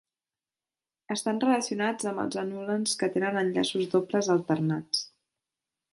Estan relacionats amb els anulens que tenen enllaços dobles alternats.